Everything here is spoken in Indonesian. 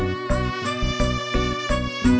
gak ada apa apa